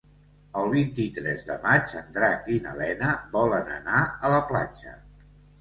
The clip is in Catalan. El vint-i-tres de maig en Drac i na Lena volen anar a la platja.